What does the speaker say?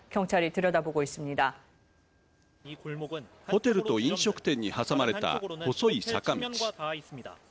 ホテルと飲食店に挟まれた細い坂道。